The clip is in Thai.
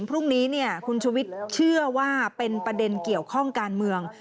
พรุ่งนี้คุณชุวิตเชื่อว่าเป็นประเด็นเกี่ยวข้องการเมือง